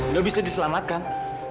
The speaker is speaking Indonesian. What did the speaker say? udah bisa diselamatkan